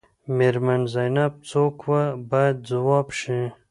میرمن زینب څوک وه باید ځواب شي.